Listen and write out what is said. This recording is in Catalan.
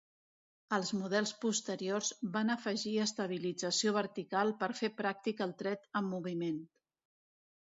Els models posteriors van afegir estabilització vertical per fer pràctic el tret en moviment.